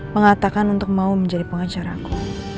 mengatakan untuk mau menjadi pengacaraku